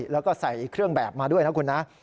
แล้วก็ใส่เครื่องแบบมาด้วยนะคุณนะ